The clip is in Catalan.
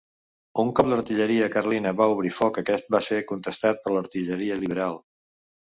Un cop l'artilleria carlina va obrir foc, aquest va ser contestat per l'artilleria liberal.